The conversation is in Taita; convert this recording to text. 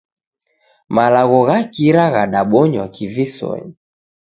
Malagho gha kira ghadabonywa kivisonyi.